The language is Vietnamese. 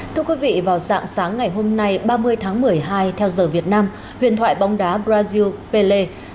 thưa quý vị vào dạng sáng ngày hôm nay ba mươi tháng một mươi hai theo giờ việt nam huyền thoại bóng đá brazil pelle